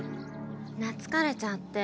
なつかれちゃって。